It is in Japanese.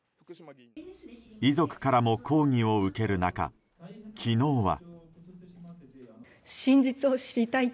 遺族からも抗議を受ける中昨日は。